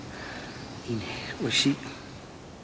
いいねおいしい。